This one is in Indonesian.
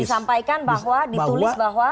disampaikan bahwa ditulis bahwa